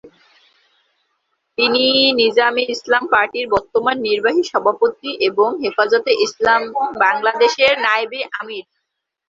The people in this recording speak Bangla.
তিনি নিজাম-ই-ইসলাম পার্টির বর্তমান নির্বাহী সভাপতি এবং হেফাজতে ইসলাম বাংলাদেশের নায়েব-ই-আমীর।